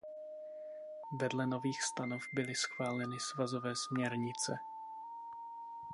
Vedle nových stanov byly schváleny svazové směrnice.